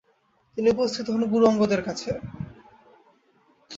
তিনি উপস্থিত হন গুরু অঙ্গদের কাছে।